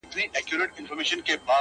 چي دا وږي د وطن په نس ماړه وي,